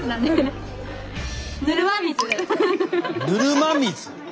ぬるま水。